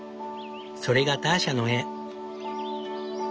それがターシャの絵。